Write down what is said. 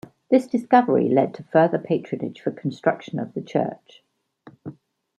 This discovery led to further patronage for construction of the church.